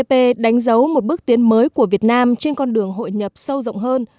pp đánh dấu một bước tiến mới của việt nam trên con đường hội nhập sâu rộng hơn